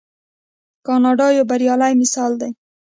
کاناډا یو بریالی مثال دی.